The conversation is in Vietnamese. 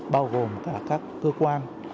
bao gồm cả các cơ quan